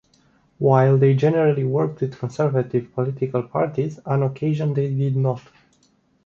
While they generally worked with conservative political parties, on occasion they did not.